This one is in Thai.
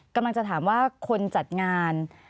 กำลังจะถามว่าคนจัดงาน